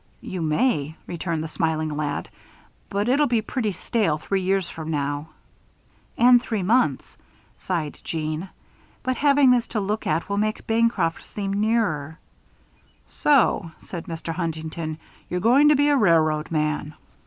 "You may," returned the smiling lad, "but it'll be pretty stale three years from now." "And three months," sighed Jeanne. "But having this to look at will make Bancroft seem nearer." "So," said Mr. Huntington, "you're going to be a railroad man?"